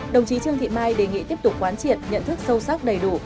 đồng chí trương thị mai đề nghị tiếp tục quán triệt nhận thức sâu sắc đầy đủ